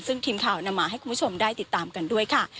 ซึ่งทีมข่าวนำมาให้คุณผู้ชมได้ติดตามกันด้วยค่ะ